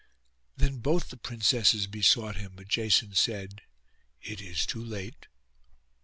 Then both the princesses besought him; but Jason said, 'It is too late.